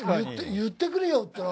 言ってくれよって。